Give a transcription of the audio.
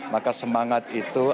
maka semangat itu